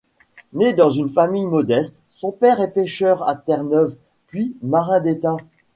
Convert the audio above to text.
Né dans une famille modeste, son père est pêcheur à Terre-Neuve, puis marin d'État.